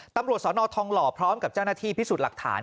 ตำรวจสนทองหล่อพร้อมกับเจ้าหน้าที่พิสูจน์หลักฐาน